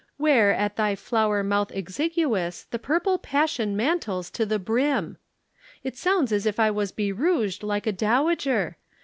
"'Where at thy flower mouth exiguous The purple passion mantles to the brim.' It sounds as if I was berouged like a dowager.